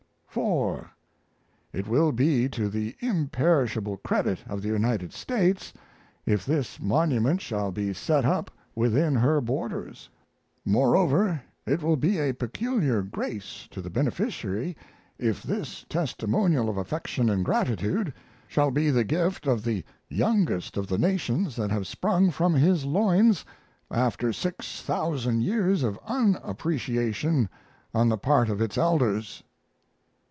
4. It will be to the imperishable credit of the United States if this monument shall be set up within her borders; moreover, it will be a peculiar grace to the beneficiary if this testimonial of affection and gratitude shall be the gift of the youngest of the nations that have sprung from his loins after 6,000 years of unappreciation on the part of its elders.